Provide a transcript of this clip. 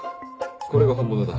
これが本物だ。